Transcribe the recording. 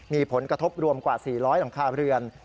มีผลกระทบรวมกว่า๔๐๐หลังคาเรือน